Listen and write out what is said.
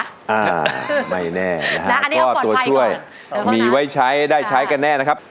อ่าไม่แน่นะฮะข้อตัวช่วยมีไว้ใช้ได้ใช้กันแน่นะครับ